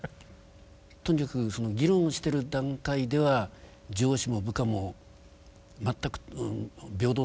とにかく議論してる段階では上司も部下も全く平等なんだと。